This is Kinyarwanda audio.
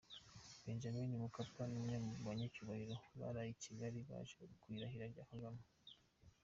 Benjamin Mkapa ni umwe mu banyacyubahiro baraye i Kigali baje mu irahira rya Kagame.